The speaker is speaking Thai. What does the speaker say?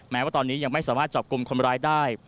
แม้ว่าตอนนี้ยังไม่สามารถจับกลุ่มคนร้ายได้